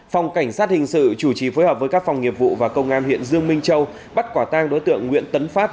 phòng cảnh sát hình sự chủ trì phối hợp với các phòng nghiệp vụ và công an huyện dương minh châu bắt quả tang đối tượng nguyễn tấn phát